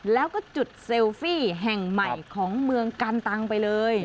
แล้วก็จุดเซลฟี่แห่งใหม่ของเมืองกันตังไปเลย